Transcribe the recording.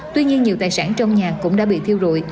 tuy nhiên nhiều tài sản trong nhà cũng đã bị thiêu rụi